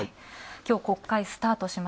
きょう、国会スタート。